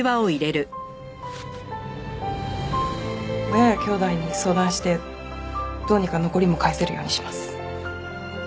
親やきょうだいに相談してどうにか残りも返せるようにします。